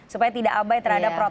supaya tidak abai terhadap protokol